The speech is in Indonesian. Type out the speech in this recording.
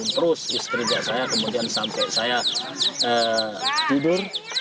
terus istiridak saya kemudian sampai saya tidur